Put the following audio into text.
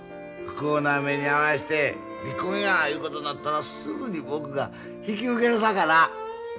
不幸な目に遭わして離婚やいうことになったらすぐに僕が引き受けるさかな。